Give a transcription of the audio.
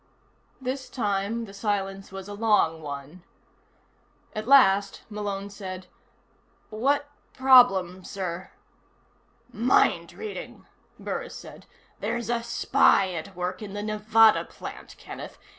This time, the silence was a long one. At last, Malone said: "What problem, sir?" "Mind reading," Burris said. "There's a spy at work in the Nevada plant, Kenneth.